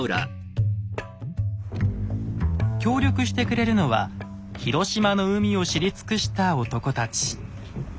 協力してくれるのは広島の海を知り尽くした男たち。